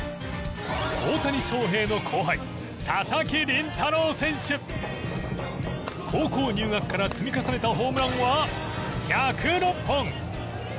大谷翔平の後輩高校入学から積み重ねたホームランは１０６本。